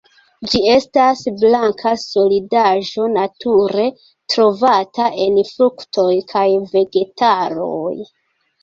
Ĝi estas blanka solidaĵo nature trovata en fruktoj kaj vegetaloj.